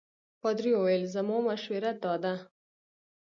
پادري وویل زما مشوره دا ده.